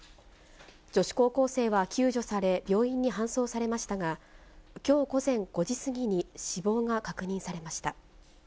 女子高校生は救助され、病院に搬送されましたが、きょう午前５時過ぎに死亡が確認されました。